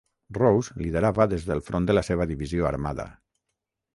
Rose liderava des del front de la seva divisió armada.